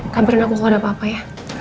kamu berinaku kalo ada apa apa ya